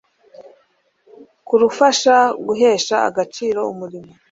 kurufasha guhesha agaciro umurimo